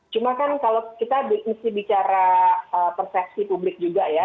cuma kan kalau kita isi bicara persepsi publik juga ya